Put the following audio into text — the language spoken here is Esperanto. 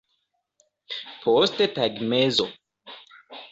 posttagmezo